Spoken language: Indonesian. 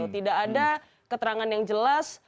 tidak ada keterangan yang jelas